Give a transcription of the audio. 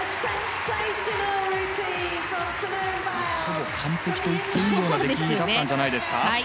ほぼ完璧といっていい出来だったんじゃないですか。